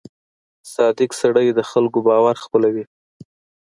• صادق سړی د خلکو باور خپلوي.